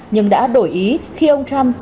nhưng đã đổi ý khi ông trump gần hơn